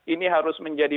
ini harus menjadi